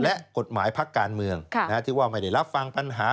และกฎหมายพักการเมืองที่ว่าไม่ได้รับฟังปัญหา